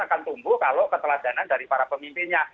akan tumbuh kalau keteladanan dari para pemimpinnya